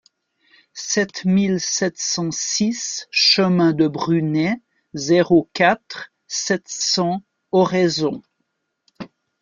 sept mille sept cent six chemin de Brunet, zéro quatre, sept cents, Oraison